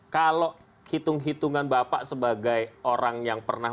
jadi kita itu dalam himbauannya pak